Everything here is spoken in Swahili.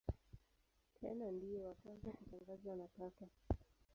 Tena ndiye wa kwanza kutangazwa na Papa.